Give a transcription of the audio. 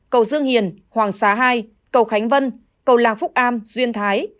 cầu dương hiền hoàng xá hai cầu khánh vân cầu làng phúc am duyên thái